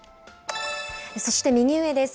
そして右上です。